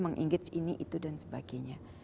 meng engage ini itu dan sebagainya